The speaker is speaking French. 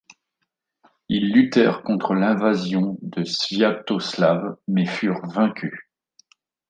Ils luttèrent contre l'invasion de Sviatoslav mais furent vaincus.